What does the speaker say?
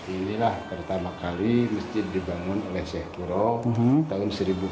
inilah pertama kali masjid dibangun oleh sheikh kuro tahun seribu empat ratus delapan